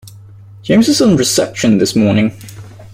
James is on reception this morning